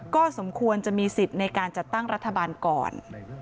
ก็สมควรจะมีสิทธิ์ในการจัดตั้งรัฐบาลก่อน